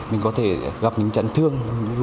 mình có thể gặp những trận thương